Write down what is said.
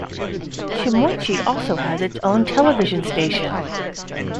Shimoichi also has its own television station.